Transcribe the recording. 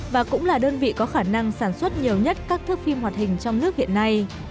và cũng là đơn vị có khả năng sản xuất nhiều nhất các thức phim hoạt hình trong nước hiện nay